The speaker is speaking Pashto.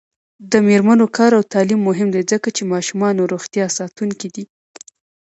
د میرمنو کار او تعلیم مهم دی ځکه چې ماشومانو روغتیا ساتونکی دی.